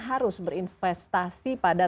harus berinvestasi pada